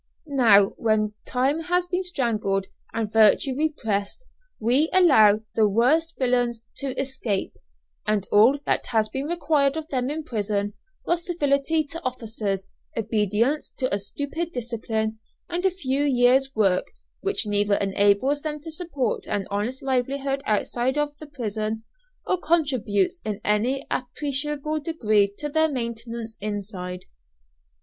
Now, when time has been strangled, and virtue repressed, we allow the worst villains to escape, and all that has been required of them in prison was civility to officers, obedience to a stupid discipline, and a few years' work which neither enables them to support an honest livelihood outside the prison, or contributes in any appreciable degree to their maintenance inside.